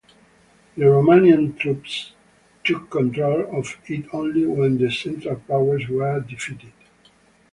The Romanian troops took control of it only when the Central Powers were defeated.